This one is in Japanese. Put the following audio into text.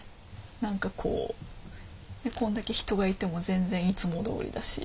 何かこうこんだけ人がいても全然いつもどおりだし。